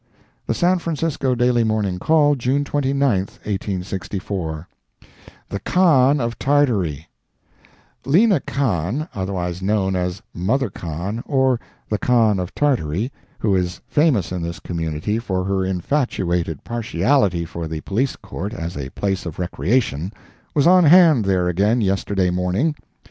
The San Francisco Daily Morning Call, June 29, 1864 THE KAHN OF TARTARY Lena Kahn, otherwise known as Mother Kahn, or the Kahn of Tartary, who is famous in this community for her infatuated partiality for the Police Court as a place of recreation, was on hand there again yesterday morning.